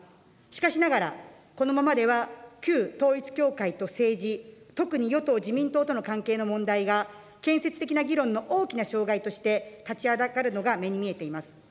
しかしながら、このままでは旧統一教会と政治、特に与党・自民党との関係の問題が、建設的な議論の大きな障害として立ちはだかるのが目に見えています。